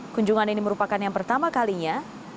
kunjungan ini merupakan yang pertama kalinya